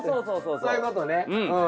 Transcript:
そういうことねうん。